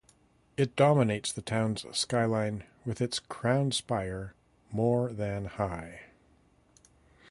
It dominates the town's skyline with its crown spire more than high.